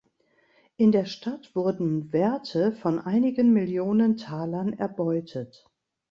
In der Stadt wurden Werte von einigen Millionen Talern erbeutet.